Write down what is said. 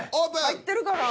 入ってるかな？